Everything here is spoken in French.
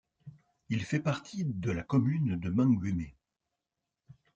Il fait partie de la commune de Mengueme.